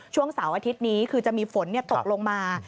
เสาร์อาทิตย์นี้คือจะมีฝนตกลงมา